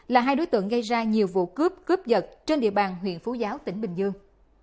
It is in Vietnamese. là hai đối tượng gây ra nhiều vụ cướp cướp giật trên địa bàn huyện phú giáo tỉnh bình dương